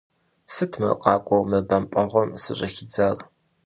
Сыт мыр къакӀуэу мы бэмпӀэгъуэм сыщӀыхидзар?